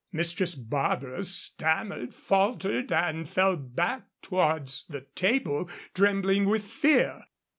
Mistress Barbara stammered, faltered, and fell back towards the table, trembling with fear.